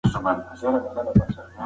د خپلو کړنو په اړه فکر وکړئ.